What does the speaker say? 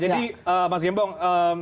jadi mas gembong